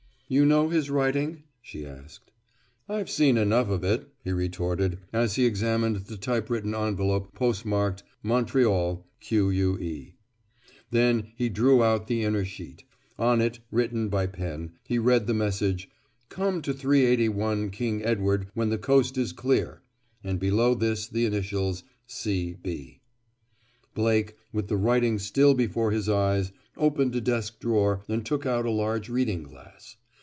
"You know his writing?" she asked. "I've seen enough of it," he retorted, as he examined the typewritten envelope postmarked "Montreal, Que." Then he drew out the inner sheet. On it, written by pen, he read the message: "Come to 381 King Edward when the coast is clear," and below this the initials "C. B." Blake, with the writing still before his eyes, opened a desk drawer and took out a large reading glass.